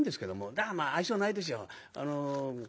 だからまあ愛想ないですよ。